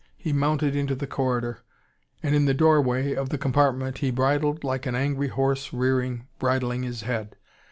He mounted into the corridor. And in the doorway of the compartment he bridled like an angry horse rearing, bridling his head.